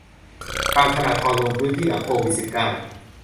ตามธนาธร ลงพื้นที่หลังโควิด สิบเก้า